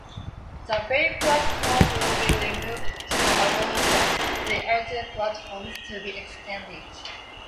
The bay platform will be removed to allow the other platforms to be extended.